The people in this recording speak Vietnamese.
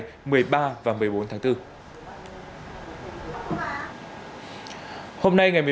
hôm nay ngày một mươi ba tháng bốn phạm văn cung đã đặt tài sản cho các bệnh viện